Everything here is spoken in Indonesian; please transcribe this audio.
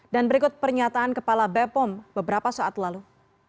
dan berikut pernyataan kepala bepom beberapa saat lalu